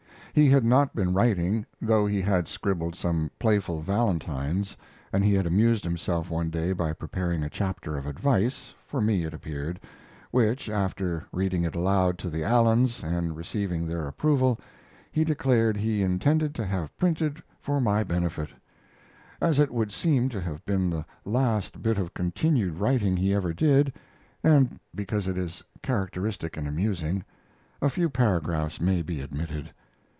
He had not been writing, though he had scribbled some playful valentines and he had amused himself one day by preparing a chapter of advice for me it appeared which, after reading it aloud to the Allens and receiving their approval, he declared he intended to have printed for my benefit. As it would seem to have been the last bit of continued writing he ever did, and because it is characteristic and amusing, a few paragraphs may be admitted.